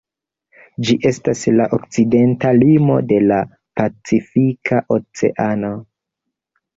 Ĝi estas la okcidenta limo de la Pacifika Oceano.